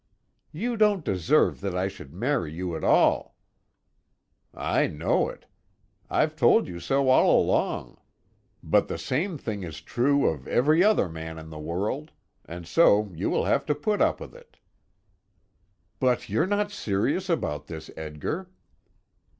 "You don't deserve that I should marry you at all." "I know it. I've told you so all along. But the same thing is true of every other man in the world, and so you will have to put up with it." "But you're not serious about this, Edgar?"